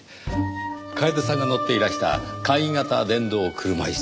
楓さんが乗っていらした簡易型電動車椅子。